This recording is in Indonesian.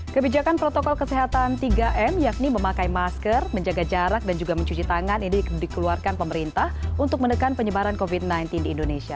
kebijakan protokol kesehatan tiga m yakni memakai masker menjaga jarak dan juga mencuci tangan ini dikeluarkan pemerintah untuk menekan penyebaran covid sembilan belas di indonesia